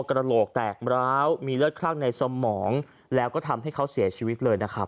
กระโหลกแตกร้าวมีเลือดคลั่งในสมองแล้วก็ทำให้เขาเสียชีวิตเลยนะครับ